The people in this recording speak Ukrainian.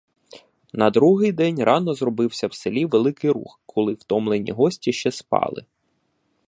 На другий день рано зробився в селі великий рух, коли втомлені гості ще спали.